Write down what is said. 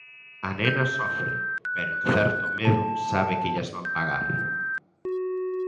A nena sofre, pero en certo medo sabe que llas van pagar.